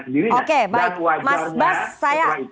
sendirinya dan wajarnya